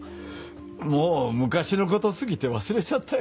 もう昔のこと過ぎて忘れちゃったよ。